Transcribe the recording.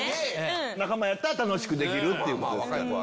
仲間やったら楽しくできるってことですか。